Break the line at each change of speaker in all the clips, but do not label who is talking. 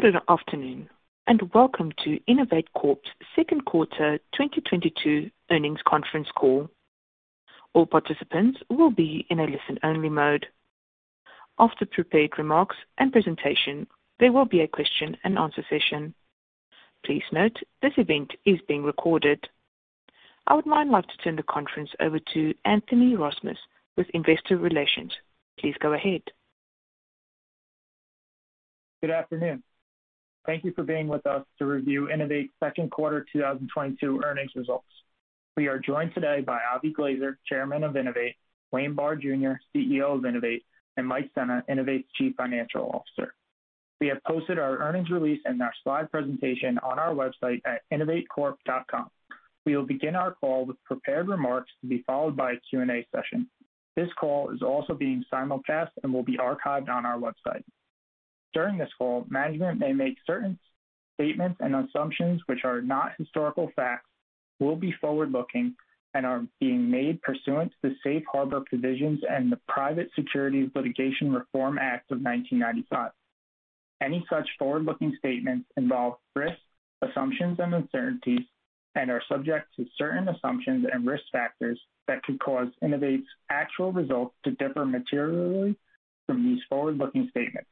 Good afternoon, and welcome to INNOVATE Corp.'s Q2 2022 earnings conference call. All participants will be in a listen-only mode. After prepared remarks, and presentation, there will be a question-and-answer session. Please note, this event is being recorded. I would now like to turn the conference over to Anthony Rozmus with investor relations. Please go ahead.
Good afternoon. Thank you for being with us to review INNOVATE's Q2 2022 earnings results. We are joined today by Avram Glazer, Chairman of INNOVATE, Wayne Barr, Jr., CEO of INNOVATE, and Mike Sena, INNOVATE's Chief Financial Officer. We have posted our earnings release and our slide presentation on our website at innovatecorp.com. We will begin our call with prepared remarks to be followed by a Q&A session. This call is also being simulcast and will be archived on our website. During this call, management may make certain statements and assumptions which are not historical facts, will be forward-looking, and are being made pursuant to the safe harbor provisions and the Private Securities Litigation Reform Act of 1995. Any such forward-looking statements involve risks, assumptions, and uncertainties and are subject to certain assumptions and risk factors that could cause INNOVATE's actual results to differ materially from these forward-looking statements.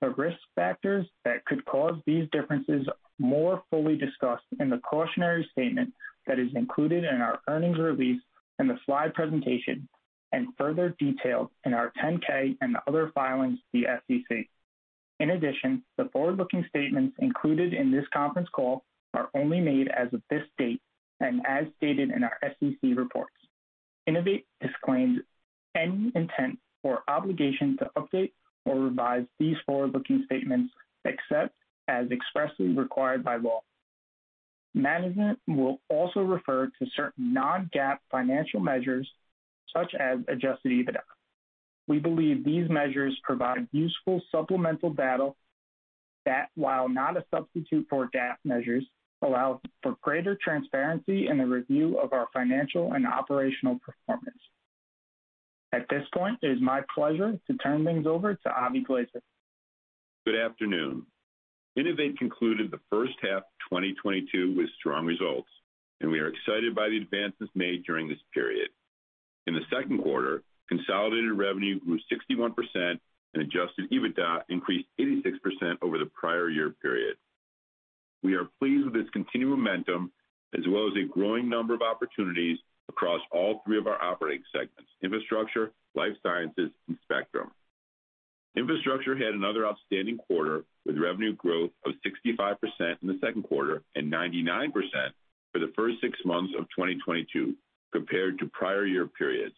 The risk factors that could cause these differences are more fully discussed in the cautionary statement that is included in our earnings release and the slide presentation, and further detailed in our 10-K and other filings with the SEC. In addition, the forward-looking statements included in this conference call are only made as of this date and as stated in our SEC reports. INNOVATE disclaims any intent or obligation to update or revise these forward-looking statements, except as expressly required by law. Management will also refer to certain non-GAAP financial measures, such as adjusted EBITDA. We believe these measures provide useful supplemental data that, while not a substitute for GAAP measures, allow for greater transparency in the review of our financial and operational performance. At this point, it is my pleasure to turn things over to Avram Glazer.
Good afternoon. INNOVATE concluded the H1 of 2022 with strong results, and we are excited by the advances made during this period. In the Q2, consolidated revenue grew 61% and adjusted EBITDA increased 86% over the prior year period. We are pleased with this continued momentum, as well as a growing number of opportunities across all three of our operating segments, infrastructure, life sciences, and spectrum. Infrastructure had another outstanding quarter, with revenue growth of 65% in the Q2 and 99% for the first six months of 2022 compared to prior year periods.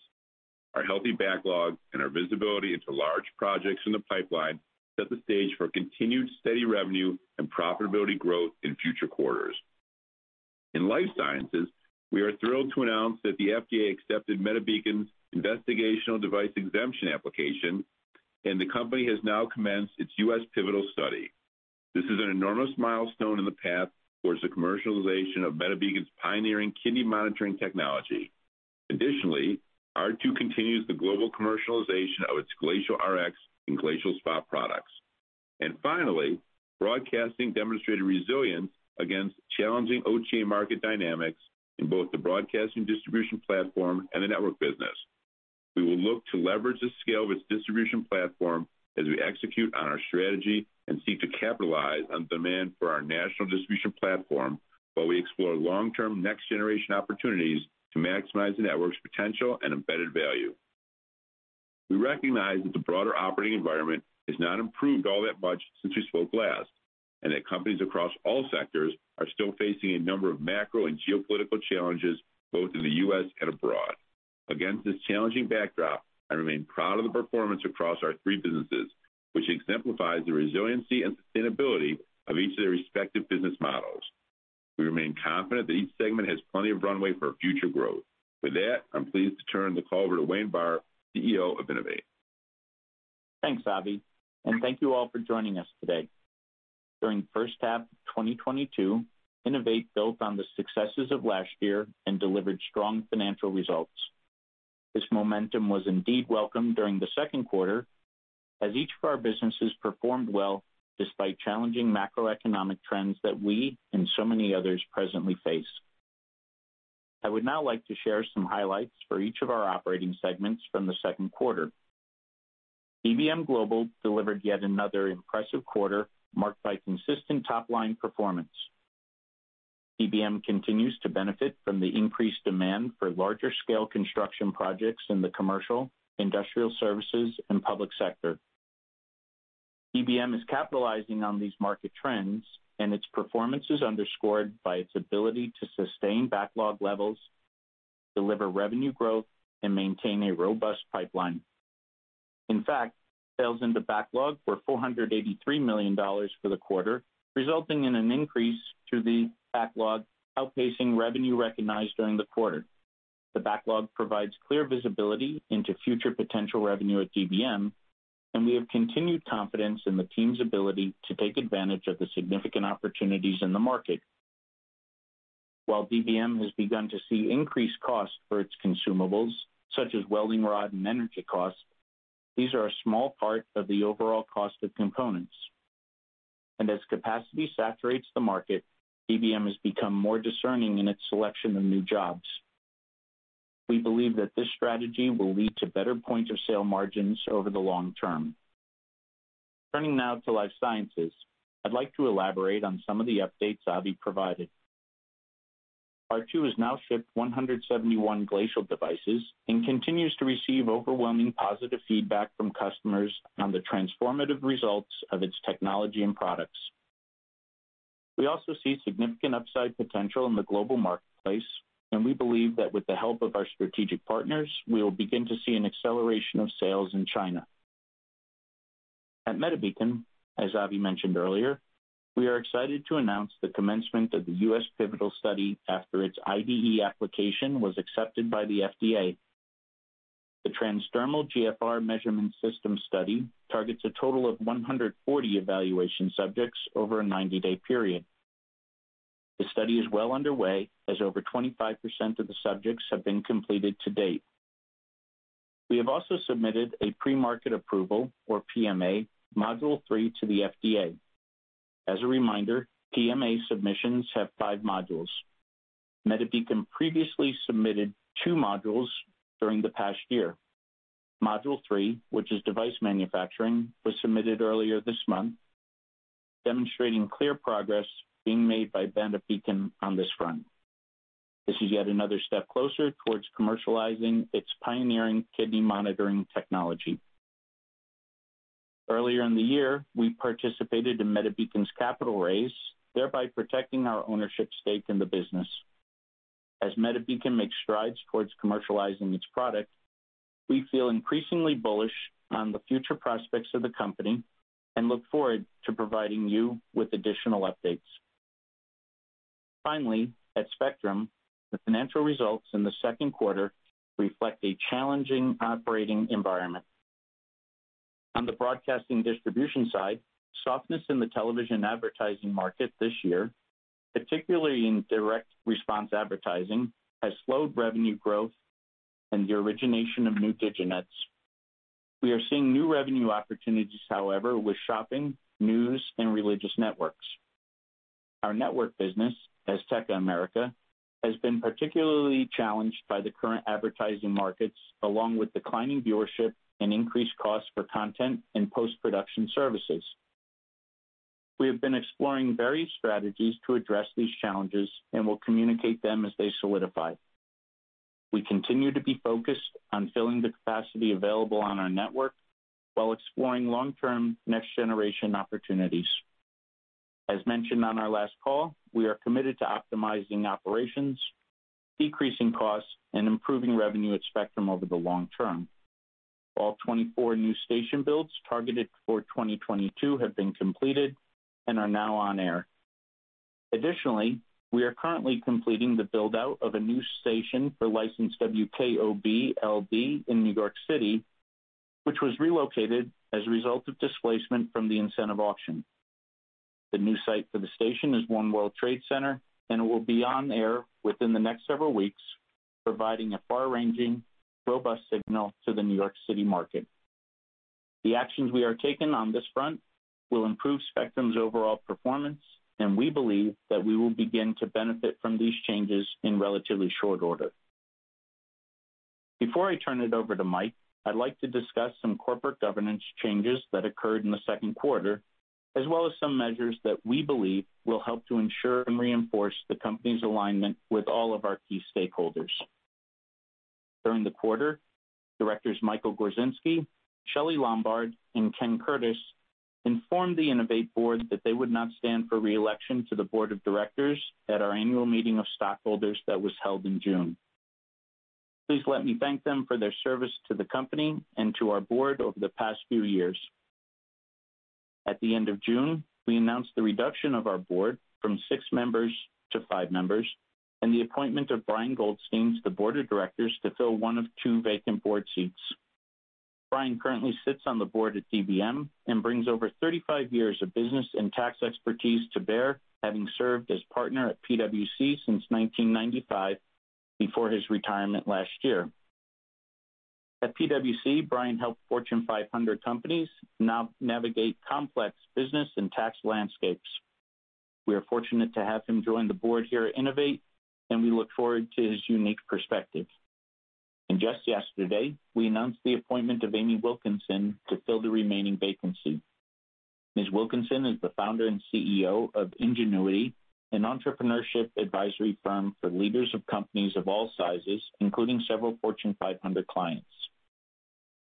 Our healthy backlog, and our visibility into large projects in the pipeline set the stage for continued steady revenue and profitability growth in future quarters. In life sciences, we are thrilled to announce that the FDA accepted MediBeacon's investigational device exemption application, and the company has now commenced its U.S. pivotal study. This is an enormous milestone in the path towards the commercialization of MediBeacon's pioneering kidney monitoring technology. Additionally, R2 continues the global commercialization of its Glacial Rx and Glacial Spa products. Finally, broadcasting demonstrated resilience against challenging OTA market dynamics in both the broadcasting distribution platform and the network business. We will look to leverage the scale of its distribution platform as we execute on our strategy and seek to capitalize on demand for our national distribution platform while we explore long-term next-generation opportunities to maximize the network's potential and embedded value. We recognize that the broader operating environment has not improved all that much since we spoke last, and that companies across all sectors are still facing a number of macro, and geopolitical challenges, both in the US and abroad. Against this challenging backdrop, I remain proud of the performance across our three businesses, which exemplifies the resiliency and sustainability of each of their respective business models. We remain confident that each segment has plenty of runway for future growth. With that, I'm pleased to turn the call over to Wayne Barr, Jr., CEO of INNOVATE Corp.
Thanks, Avi, and thank you all for joining us today. During the H1 of 2022, INNOVATE built on the successes of last year, and delivered strong financial results. This momentum was indeed welcome during the Q2, as each of our businesses performed well despite challenging macroeconomic trends that we and so many others presently face. I would now like to share some highlights for each of our operating segments from the Q2. DBM Global delivered yet another impressive quarter marked by consistent top-line performance. DBM continues to benefit from the increased demand for larger scale construction projects in the commercial, industrial services, and public sector. DBM is capitalizing on these market trends, and its performance is underscored by its ability to sustain backlog levels, deliver revenue growth, and maintain a robust pipeline. In fact, sales into backlog were $483 million for the quarter, resulting in an increase to the backlog outpacing revenue recognized during the quarter. The backlog provides clear visibility into future potential revenue at DBM, and we have continued confidence in the team's ability to take advantage of the significant opportunities in the market. While DBM has begun to see increased costs for its consumables, such as welding rod and energy costs, these are a small part of the overall cost of components. As capacity saturates the market, DBM has become more discerning in its selection of new jobs. We believe that this strategy will lead to better point-of-sale margins over the long term. Turning now to Life Sciences. I'd like to elaborate on some of the updates Avi provided. R2 has now shipped 171 glacial devices, and continues to receive overwhelming positive feedback from customers on the transformative results of its technology and products. We also see significant upside potential in the global marketplace, and we believe that with the help of our strategic partners, we will begin to see an acceleration of sales in China. At MediBeacon, as Avi mentioned earlier, we are excited to announce the commencement of the U.S. pivotal study after its IDE application was accepted by the FDA. The transdermal GFR measurement system study targets a total of 140 evaluation subjects over a 90-day period. The study is well underway, as over 25% of the subjects have been completed to date. We have also submitted a pre-market approval or PMA Module Three to the FDA. As a reminder, PMA submissions have 5 modules. MediBeacon previously submitted two modules during the past year. Module three, which is device manufacturing, was submitted earlier this month, demonstrating clear progress being made by MediBeacon on this front. This is yet another step closer towards commercializing its pioneering kidney monitoring technology. Earlier in the year, we participated in MediBeacon's capital raise, thereby protecting our ownership stake in the business. As MediBeacon makes strides towards commercializing its product, we feel increasingly bullish on the future prospects of the company and look forward to providing you with additional updates. Finally, at Spectrum, the financial results in the Q2 reflect a challenging operating environment. On the broadcasting distribution side, softness in the television advertising market this year, particularly in direct response advertising, has slowed revenue growth and the origination of new diginets. We are seeing new revenue opportunities, however, with shopping, news, and religious networks. Our network business as Azteca America has been particularly challenged by the current advertising markets, along with declining viewership, and increased costs for content and post-production services. We have been exploring various strategies to address these challenges and will communicate them as they solidify. We continue to be focused on filling the capacity available on our network while exploring long-term next-generation opportunities. As mentioned on our last call, we are committed to optimizing operations, decreasing costs, and improving revenue at Spectrum over the long term. All 24 new station builds targeted for 2022 have been completed and are now on air. Additionally, we are currently completing the build-out of a new station for licensed WKOB-LD in New York City, which was relocated as a result of displacement from the incentive auction. The new site for the station is One World Trade Center, and will be on air within the next several weeks, providing a far-ranging, robust signal to the New York City market. The actions we are taking on this front will improve Spectrum's overall performance, and we believe that we will begin to benefit from these changes in relatively short order. Before I turn it over to Mike, I'd like to discuss some corporate governance changes that occurred in the Q2, as well as some measures that we believe will help to ensure, and reinforce the company's alignment with all of our key stakeholders. During the quarter, directors Michael Gorzynski, Shelley Lombard, and Kenneth Courtis informed the INNOVATE board that they would not stand for reelection to the board of directors at our annual meeting of stockholders that was held in June. Please let me thank them for their service to the company and to our board over the past few years. At the end of June, we announced the reduction of our board from six members to five members and the appointment of Brian Goldstein to the board of directors to fill one of two vacant board seats. Brian currently sits on the board at DBM and brings over 35 years of business and tax expertise to bear, having served as partner at PwC since 1995, before his retirement last year. At PwC, Brian helped Fortune 500 companies navigate complex business and tax landscapes. We are fortunate to have him join the board here at INNOVATE, and we look forward to his unique perspective. Just yesterday, we announced the appointment of Amy Wilkinson to fill the remaining vacancy. Ms. Wilkinson is the founder, and CEO of Ingenuity, an entrepreneurship advisory firm for leaders of companies of all sizes, including several Fortune 500 clients.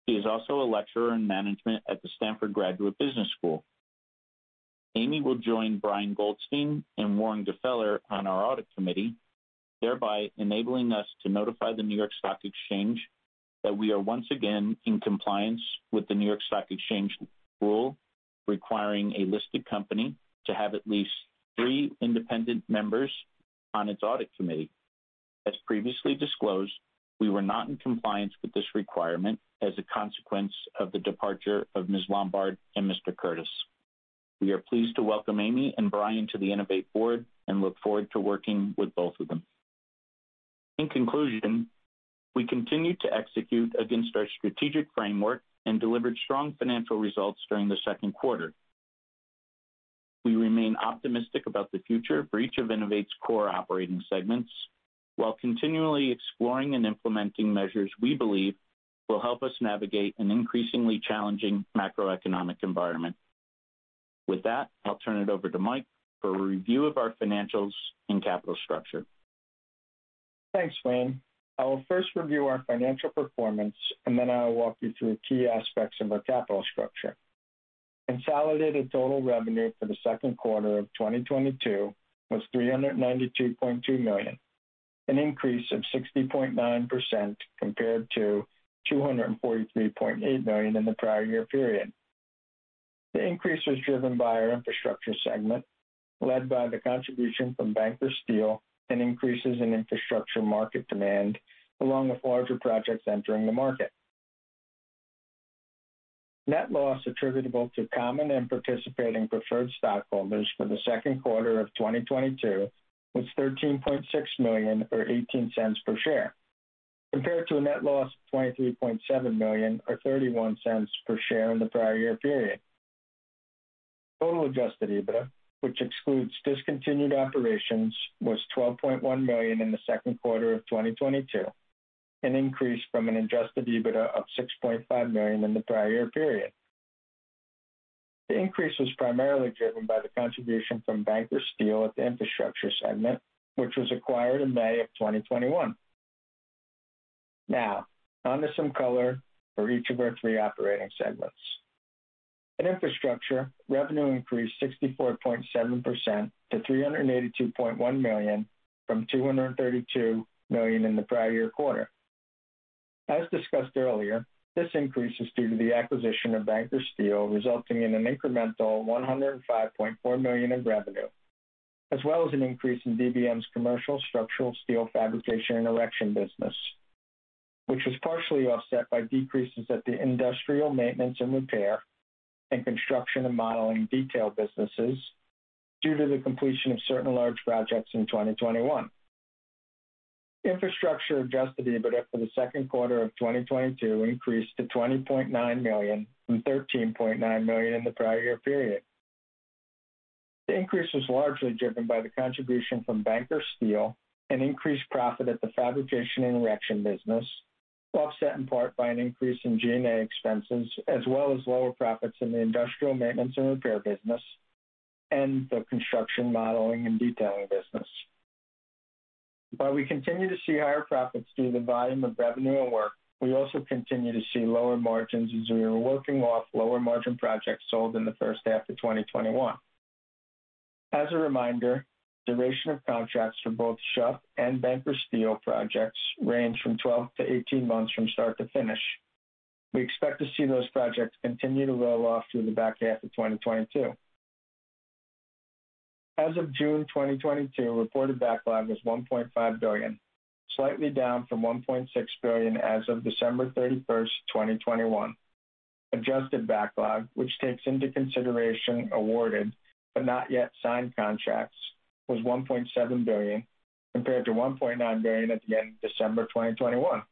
She is also a lecturer in management at the Stanford Graduate School of Business. Amy will join Brian Goldstein and Warren H. Gfeller on our audit committee, thereby enabling us to notify the New York Stock Exchange that we are once again in compliance with the New York Stock Exchange rule requiring a listed company to have at least three independent members on its audit committee. As previously disclosed, we were not in compliance with this requirement as a consequence of the departure of Ms. Lombard and Mr. Curtis. We are pleased to welcome Amy and Brian to the INNOVATE board and look forward to working with both of them. In conclusion, we continue to execute against our strategic framework and delivered strong financial results during the Q2. We remain optimistic about the future for each of INNOVATE's core operating segments, while continually exploring and implementing measures we believe will help us navigate an increasingly challenging macroeconomic environment. With that, I'll turn it over to Mike for a review of our financials and capital structure.
Thanks, Wayne. I will first review our financial performance, and then I will walk you through key aspects of our capital structure. Consolidated total revenue for the Q2 of 2022 was $392.2 million, an increase of 60.9% compared to $243.8 million in the prior year period. The increase was driven by our infrastructure segment, led by the contribution from Banker Steel and increases in infrastructure market demand, along with larger projects entering the market. Net loss attributable to common and participating preferred stockholders for the Q2 of 2022 was $13.6 million or $0.18 per share, compared to a net loss of $23.7 million or $0.31 per share in the prior year period. Total adjusted EBITDA, which excludes discontinued operations, was $12.1 million in the Q2 of 2022, an increase from an adjusted EBITDA of $6.5 million in the prior year period. The increase was primarily driven by the contribution from Banker Steel at the infrastructure segment, which was acquired in May 2021. Now, on to some color for each of our three operating segments. In infrastructure, revenue increased 64.7% to $382.1 million from $232 million in the prior year quarter. As discussed earlier, this increase is due to the acquisition of Banker Steel, resulting in an incremental $105.4 million in revenue, as well as an increase in DBM's commercial structural steel fabrication and erection business, which was partially offset by decreases at the industrial maintenance, and repair and construction and modeling and detailing businesses due to the completion of certain large projects in 2021. Infrastructure adjusted EBITDA for the Q2 of 2022 increased to $20.9 million from $13.9 million in the prior year period. The increase was largely driven by the contribution from Banker Steel and increased profit at the fabrication and erection business, offset in part by an increase in G&A expenses, as well as lower profits in the industrial maintenance and repair business and the construction modeling and detailing business. While we continue to see higher profits due to the volume of revenue and work, we also continue to see lower margins as we are working off lower margin projects sold in the H1 of 2021. As a reminder, duration of contracts for both Schuff and Banker Steel projects range from 12-18 months from start to finish. We expect to see those projects continue to roll off through the back half of 2022. As of June 2022, reported backlog was $1.5 billion, slightly down from $1.6 billion as of December 31, 2021. Adjusted backlog, which takes into consideration awarded but not yet signed contracts, was $1.7 billion, compared to $1.9 billion at the end of December 2021.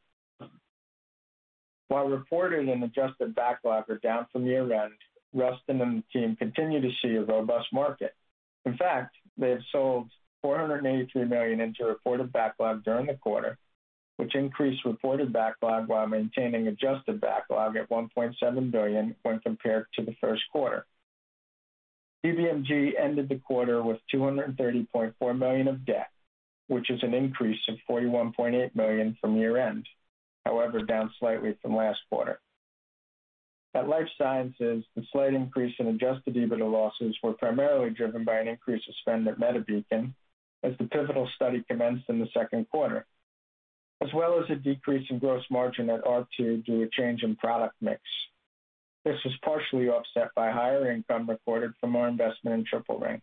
While reported and adjusted backlog are down from year-end, Rustin and the team continue to see a robust market. In fact, they have sold $483 million into reported backlog during the quarter, which increased reported backlog while maintaining adjusted backlog at $1.7 billion when compared to the Q1. DBMG ended the quarter with $230.4 million of debt, which is an increase of $41.8 million from year-end, however, down slightly from last quarter. At Life Sciences, the slight increase in adjusted EBITDA losses were primarily driven by an increase in spend at MediBeacon as the pivotal study commenced in the Q2, as well as a decrease in gross margin at R2 due to a change in product mix. This was partially offset by higher income recorded from our investment in Triple Ring.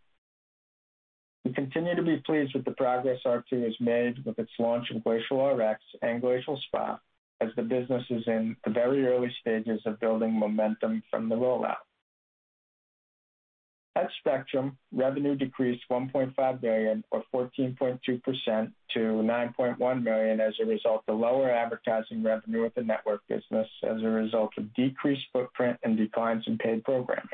We continue to be pleased with the progress R2 has made with its launch of Glacial Rx and Glacial Spa as the business is in the very early stages of building momentum from the rollout. At Spectrum, revenue decreased $1.5 million or 14.2% to $9.1 million as a result of lower advertising revenue at the network business as a result of decreased footprint and declines in paid programming.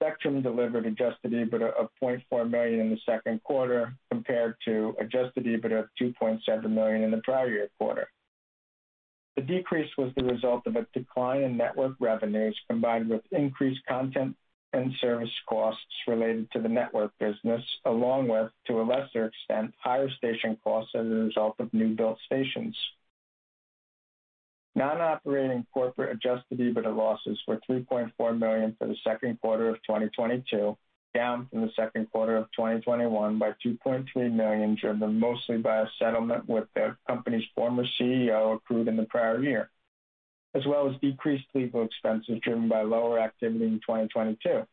Spectrum delivered adjusted EBITDA of $0.4 million in the Q2 compared to adjusted EBITDA of $2.7 million in the prior year quarter. The decrease was the result of a decline in network revenues combined with increased content and service costs related to the network business along with, to a lesser extent, higher station costs as a result of new built stations. Non-operating corporate adjusted EBITDA losses were $3.4 million for the Q2 of 2022, down from the Q2 of 2021 by $2.3 million, driven mostly by a settlement with the company's former CEO approved in the prior year, as well as decreased legal expenses driven by lower activity in 2022.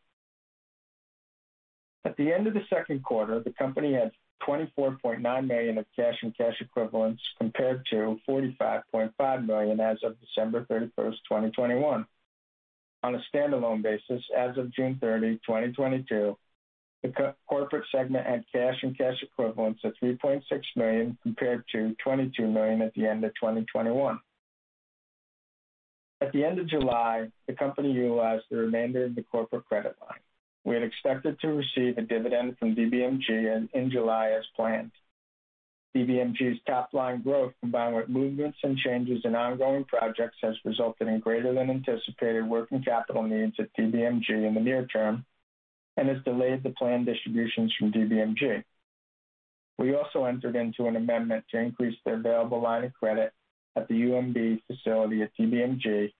At the end of the Q2, the company had $24.9 million of cash, and cash equivalents compared to $45.5 million as of December 31, 2021. On a standalone basis, as of June 30, 2022, the corporate segment had cash and cash equivalents of $3.6 million compared to $22 million at the end of 2021. At the end of July, the company utilized the remainder of the corporate credit line. We had expected to receive a dividend from DBMG in July as planned. DBMG's top line growth, combined with movements and changes in ongoing projects, has resulted in greater than anticipated working capital needs at DBMG in the near term and has delayed the planned distributions from DBMG. We also entered into an amendment to increase their available line of credit at the UMB facility at DBMG,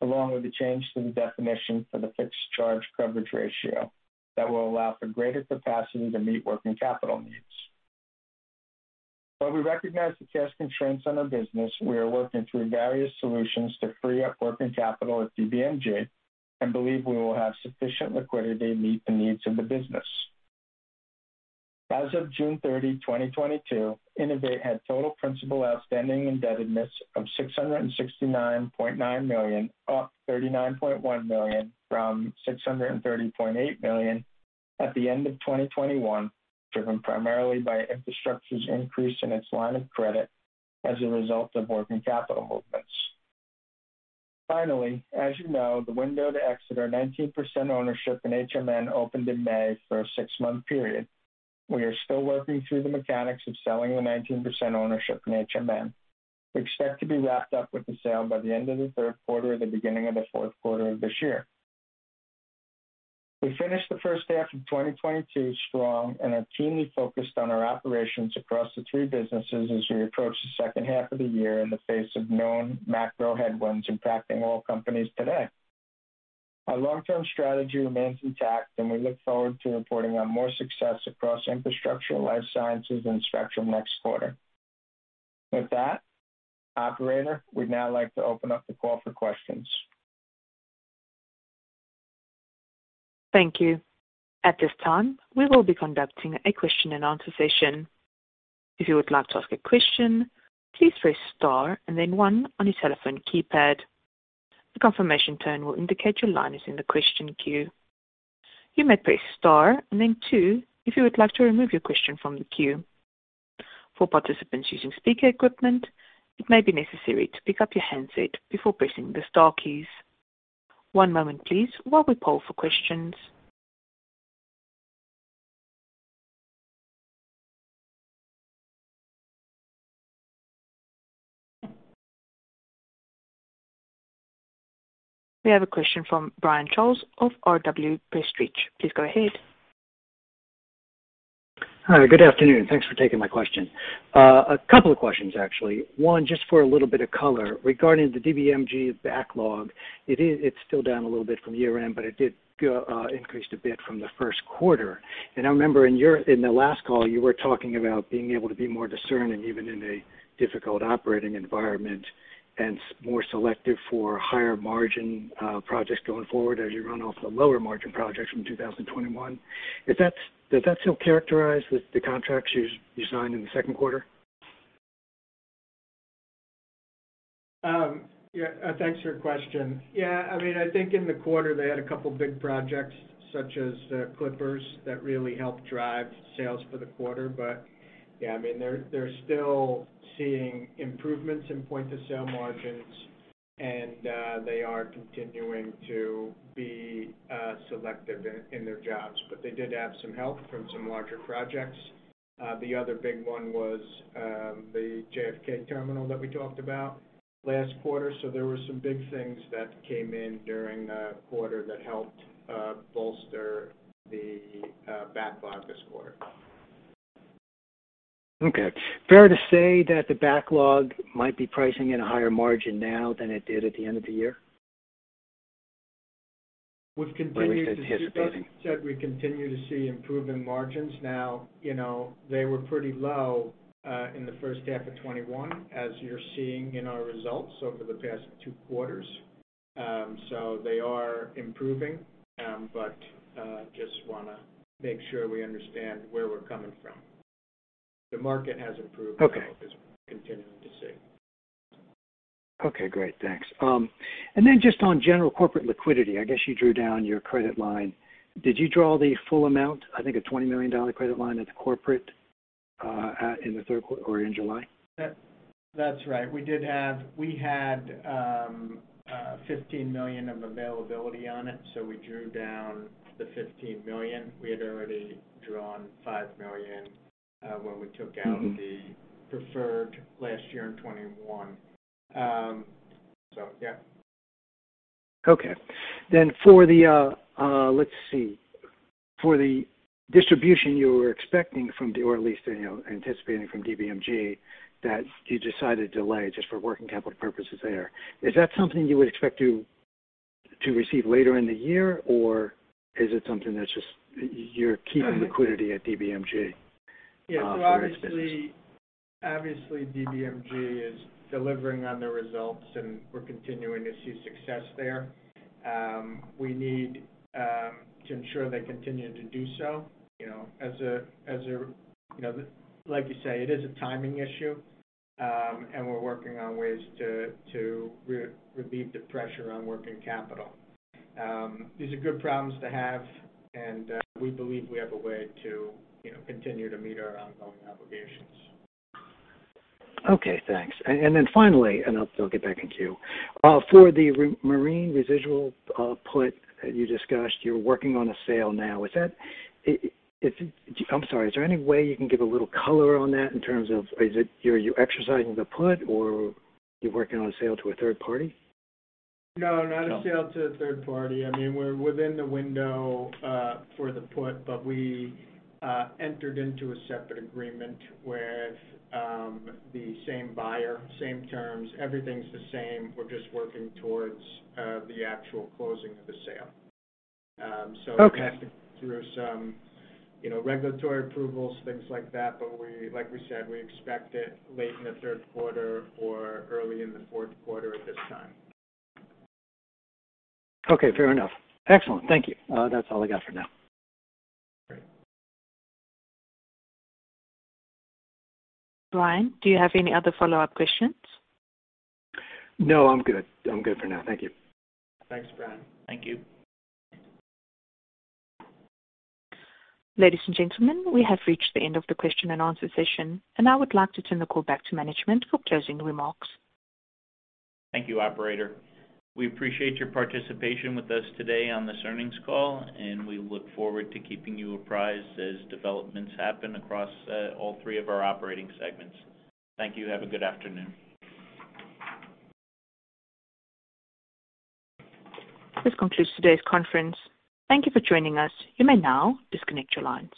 along with a change to the definition for the fixed charge coverage ratio that will allow for greater capacity to meet working capital needs. While we recognize the cash constraints on our business, we are working through various solutions to free up working capital at DBMG and believe we will have sufficient liquidity to meet the needs of the business. As of June 30, 2022, INNOVATE had total principal outstanding indebtedness of $669.9 million, up $39.1 million from $630.8 million at the end of 2021, driven primarily by Infrastructure's increase in its line of credit as a result of working capital movements. Finally, as you know, the window to exit our 19% ownership in HMN opened in May for a six-month period. We are still working through the mechanics of selling the 19% ownership in HMN. We expect to be wrapped up with the sale by the end of the Q3 or the beginning of the Q4 of this year. We finished the H1 of 2022 strong and are keenly focused on our operations across the three businesses as we approach the H2 of the year in the face of known macro headwinds impacting all companies today. Our long-term strategy remains intact, and we look forward to reporting on more success across Infrastructure, Life Sciences and Spectrum next quarter. With that, operator, we'd now like to open up the call for questions.
Thank you. At this time, we will be conducting a question and answer session. If you would like to ask a question, please press star and then one on your telephone keypad. A confirmation tone will indicate your line is in the question queue. You may press star and then two if you would like to remove your question from the queue. For participants using speaker equipment, it may be necessary to pick up your handset before pressing the star keys. One moment please while we poll for questions. We have a question from Brian Charles of RW Baird Research. Please go ahead.
Hi, good afternoon. Thanks for taking my question. A couple of questions actually. One, just for a little bit of color regarding the DBMG backlog. It's still down a little bit from year-end, but it did increase a bit from the Q1. I remember in the last call, you were talking about being able to be more discerning, even in a difficult operating environment, and more selective for higher margin projects going forward as you run off the lower margin projects from 2021. Does that still characterize with the contracts you signed in the Q2?
Thanks for your question. Yeah, I mean, I think in the quarter they had a couple of big projects such as Clippers that really helped drive sales for the quarter. Yeah, I mean, they're still seeing improvements in point-of-sale margins, and they are continuing to be selective in their jobs. They did have some help from some larger projects. The other big one was the JFK terminal that we talked about last quarter. There were some big things that came in during the quarter that helped bolster the backlog this quarter.
Okay. Fair to say that the backlog might be pricing at a higher margin now than it did at the end of the year?
We've continued to see.
At least it has been.
Like I said, we continue to see improving margins now. You know, they were pretty low in the H1 of 2021, as you're seeing in our results over the past two quarters. They are improving, but just wanna make sure we understand where we're coming from. The market has improved.
Okay.
Is continuing to see.
Okay, great. Thanks. Just on general corporate liquidity, I guess you drew down your credit line. Did you draw the full amount? I think a $20 million credit line at the corporate, or in July.
That's right. We had $15 million of availability on it, so we drew down the $15 million. We had already drawn $5 million, when we took out-
Mm-hmm.
The preferred last year in 2021. Yeah.
Okay. For the distribution you were expecting or at least, you know, anticipating from DBMG that you decided to delay just for working capital purposes there, is that something you would expect to receive later in the year, or is it something that's just you're keeping liquidity at DBMG?
Yeah. Obviously, DBMG is delivering on the results, and we're continuing to see success there. We need to ensure they continue to do so, you know, as a. Like you say, it is a timing issue, and we're working on ways to relieve the pressure on working capital. These are good problems to have, and we believe we have a way to, you know, continue to meet our ongoing obligations.
Okay, thanks. Finally, and I'll get back in queue. For the remaining residual put, you discussed, you're working on a sale now. I'm sorry. Is there any way you can give a little color on that in terms of is it you're exercising the put or you're working on a sale to a third party?
No, not a sale to a third party. I mean, we're within the window for the put, but we entered into a separate agreement with the same buyer, same terms. Everything's the same. We're just working towards the actual closing of the sale.
Okay.
We have to go through some, you know, regulatory approvals, things like that. Like we said, we expect it late in the Q3 or early in the Q4 at this time.
Okay, fair enough. Excellent. Thank you. That's all I got for now.
Great.
Brian, do you have any other follow-up questions?
No, I'm good. I'm good for now. Thank you.
Thanks, Brian.
Thank you. Ladies and gentlemen, we have reached the end of the question and answer session, and I would like to turn the call back to management for closing remarks.
Thank you, operator. We appreciate your participation with us today on this earnings call, and we look forward to keeping you apprised as developments happen across all three of our operating segments. Thank you. Have a good afternoon.
This concludes today's conference. Thank you for joining us. You may now disconnect your line.